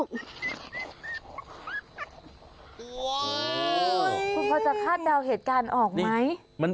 นี่คุณพอจะคาดเดาเหตุการณ์ออกไหม